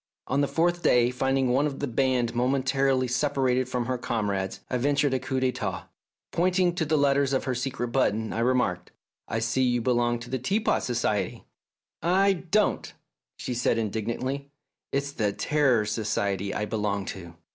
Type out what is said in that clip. On the fourth day, finding one of the band momentarily separated from her comrades, I ventured a coup d'6tat. Point ing to the letters on her secret button, I remarked, "I see you belong to the Teapot Society." " I don't !" she said indignantly ;" it's the Terror Society I belong to."